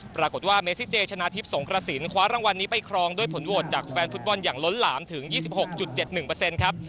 ปรากฏว่าเมซิเจชนะทิพย์สงกระสินคว้ารางวัลนี้ไปครองด้วยผลโหวตจากแฟนฟุตบอลอย่างล้นหลามถึง๒๖๗๑ครับ